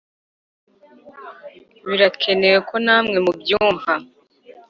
Birakenewe ko namwe mubyumva